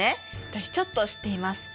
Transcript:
私ちょっと知っています。